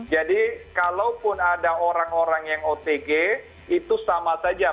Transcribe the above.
jadi kalau pun ada orang orang yang otg itu sama saja